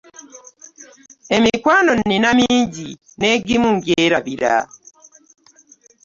Emikwano nnina mingi n'egimu ngyerabira.